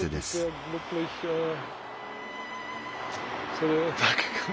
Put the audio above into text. それだけかな。